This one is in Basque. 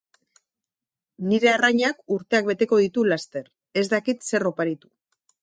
Nire arrainak urteak beteko ditu laster. Ez dakit zer oparitu.